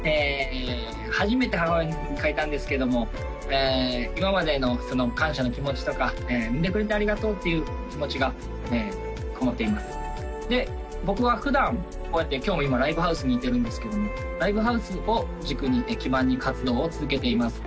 初めて母親に書いたんですけども今までの感謝の気持ちとか産んでくれてありがとうっていう気持ちがこもっていますで僕は普段こうやって今日も今ライブハウスにいてるんですけどもライブハウスを軸に基盤に活動を続けています